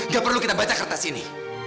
gak perlu kita baca kertas ini